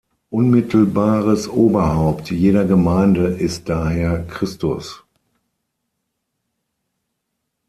Unmittelbares Oberhaupt jeder Gemeinde ist daher Christus.